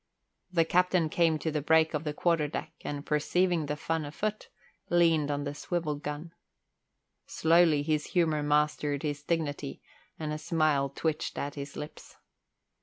The captain came to the break of the quarter deck and, perceiving the fun afoot, leaned on the swivel gun. Slowly his humour mastered his dignity and a smile twitched at his lips.